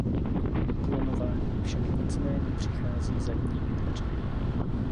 Klonování však nicméně přichází zadními dveřmi.